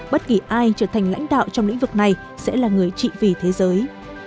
bất kỳ ai trở thành lãnh đạo trong lĩnh vực này sẽ là người trị vì thế giới